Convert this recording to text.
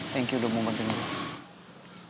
thank you udah membantuin gue